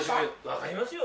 分かりますよ。